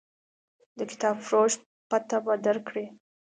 د کتابفروش پته به درکړي.